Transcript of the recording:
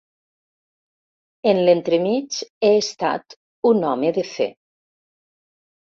En l'entremig he estat un home de fer.